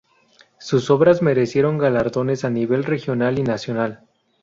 Sus obras merecieron galardones a nivel regional y nacional.